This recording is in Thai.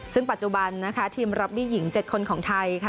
ซึ่งปัจจุบันนะคะทีมรอบบี้หญิง๗คนของไทยค่ะ